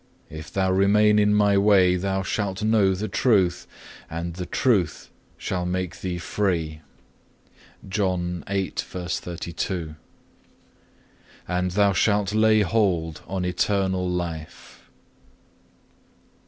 If thou remain in My way thou shalt know the Truth, and the truth shall make thee free,(2) and thou shalt lay hold on eternal life.